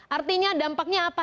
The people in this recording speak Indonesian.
artinya dampaknya apa